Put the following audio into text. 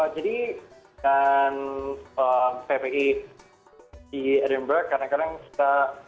jadi kan vpe di edinburgh